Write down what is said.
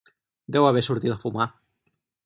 Deu haver sortit a fumar.